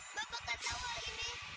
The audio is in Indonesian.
bapak ketawa ini